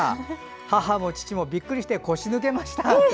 母も父もびっくりして腰抜けましたって。